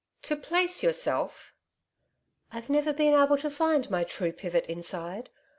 'To place yourself!' 'I've never been able to find my true pivot inside.